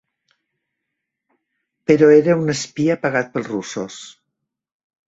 Però era un espia pagat pels russos.